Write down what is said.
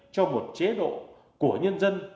cho một chế độ của nhân dân